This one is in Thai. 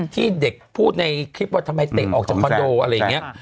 ที่เด็กพูดในคลิปว่าทำไมเตะออกจากคอนโดอะไรอย่างนี้